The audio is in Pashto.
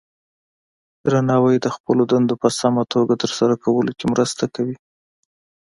درناوی د خپلو دندو په سمه توګه ترسره کولو کې مرسته کوي.